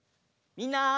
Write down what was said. みんな！